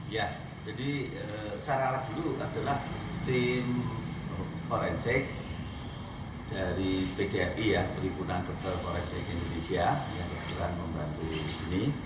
ya jadi cara alat dulu adalah tim forensik dari pdii ya perikunan ketua forensik indonesia yang berkejalan membantu